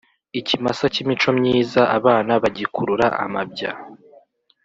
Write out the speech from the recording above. Ikimasa cy’imico myiza abana bagikurura amabya